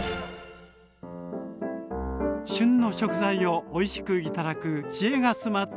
旬の食材をおいしく頂く知恵が詰まった３品。